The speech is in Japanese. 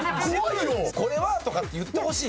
「これは」とか言ってほしい。